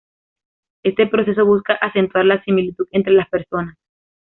Este proceso busca acentuar la similitud entre las personas.